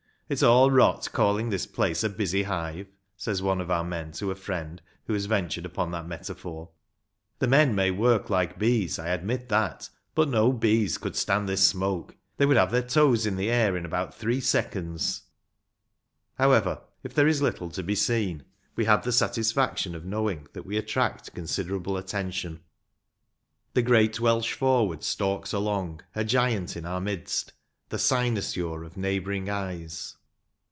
" It's all rot calling this place a busy hive !" says one of our men to a friend who has ventured upon that metaphor. 20O RUGBY FOOTBALL. "The men may work like bees ‚ÄĒ I admit that ‚ÄĒ but no bees could stand this smoke ; they would have their toes in the air in about three seconds." However, if there is little to be seen, we have the satisfaction of knowing that we attract con siderable attention. The great Welsh forward stalks along, a giant in our midst, " the cynosure of neighbouring eyes."